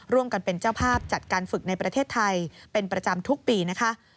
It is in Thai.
ร่วมกันเป็นเจ้าภาพจัดการฝึกในประเทศไทยเป็นประจำทุกปีนะคะ